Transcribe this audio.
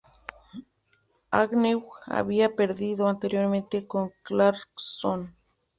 Agnew había perdido anteriormente con Clarkson.